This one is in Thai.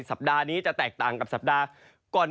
สัปดาห์นี้จะแตกต่างกับสัปดาห์ก่อน